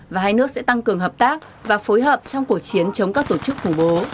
và hai nước sẽ tăng cường hợp tác và phối hợp trong cuộc chiến chống các tổ chức khủng bố